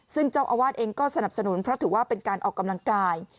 ซึ่งเจ้าอาวาสเองก็สนับสนุนเพราะถือว่าเป็นการออกกำลังกาย